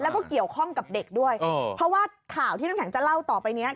แล้วก็เกี่ยวข้องกับเด็กด้วยเพราะว่าข่าวที่น้ำแข็งจะเล่าต่อไปเนี้ย